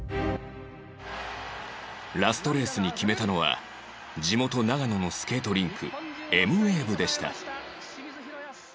ラストレースに決めたのは地元長野のスケートリンクエムウェーブでした